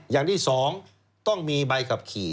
อย่างที่สองต้องมีใบขับขี่